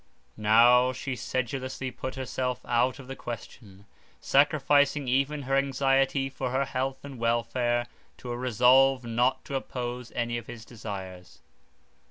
Now she sedulously put herself out of the question, sacrificing even her anxiety for his health and welfare to her resolve not to oppose any of his desires.